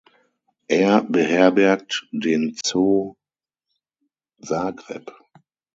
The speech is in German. Er beherbergt den Zoo Zagreb.